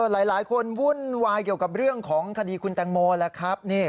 หลายคนวุ่นวายเกี่ยวกับเรื่องของคดีคุณแตงโมแล้วครับ